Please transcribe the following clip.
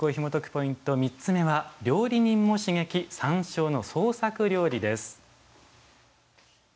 ポイント３つ目は「料理人も刺激山椒の創作料理」です。